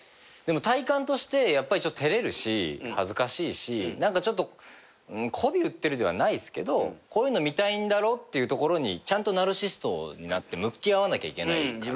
でも体感としてやっぱりちょっと照れるし恥ずかしいし何かちょっとこび売ってるではないっすけどこういうの見たいんだろ？っていうところにちゃんとナルシシストになって向き合わなきゃいけないから。